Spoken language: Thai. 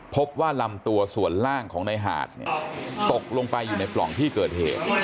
พบว่าลำตัวส่วนล่างของในหาดตกลงไปอยู่ในปล่องที่เกิดเหตุ